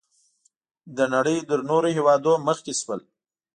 د نړۍ تر نورو هېوادونو مخکې شول.